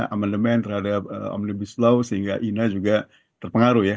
amandemen terhadap omnibus law sehingga ina juga terpengaruh ya